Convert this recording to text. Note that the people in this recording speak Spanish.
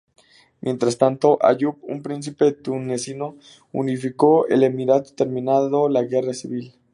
Mientras tanto Ayub, un príncipe tunecino unificó el emirato terminando la guerra civil.